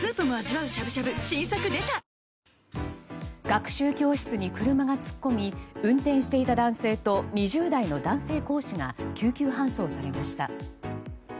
学習教室に車が突っ込み運転していた男性と２０代の男性講師が救急搬送されました。